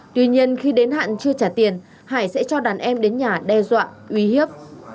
tuy nhiên khi đến hạn chưa trả tiền hải sẽ cho đàn em đến nhà đe dọa uy hiếp